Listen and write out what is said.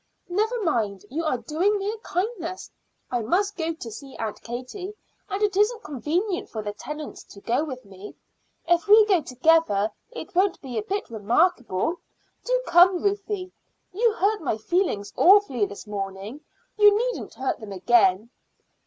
"Never mind; you are doing me a kindness. I must go to see Aunt Katie, and it isn't convenient for the Tennants to go with me. If we go together it won't be a bit remarkable. Do come, Ruthie. You hurt my feelings awfully this morning; you needn't hurt them again."